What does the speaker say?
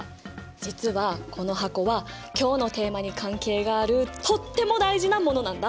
実はこの箱は今日のテーマに関係があるとっても大事なものなんだ！